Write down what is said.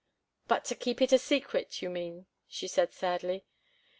"But to keep it a secret, you mean," she said sadly.